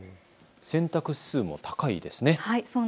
洗濯指数も高いですね。